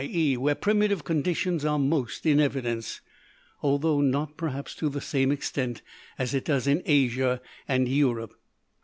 e._, where primitive conditions are most in evidence), although not, perhaps, to the same extent as it does in Asia and Europe.